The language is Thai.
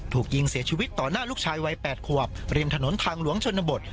ถูกยิงเสียชีวิตต่อหน้าลูกชายวัย๘ขวบริมถนนทางหลวงชนบท